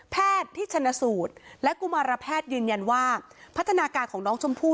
แพทย์ที่ชนะสูตรและกุมารแพทย์ยืนยันว่าพัฒนาการของน้องชมพู่